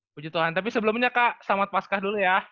puji tuhan tapi sebelumnya kak selamat paskah dulu ya